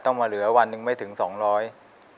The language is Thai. ต้องมาเหลือวันหนึ่งไม่ถึง๒๐๐บาท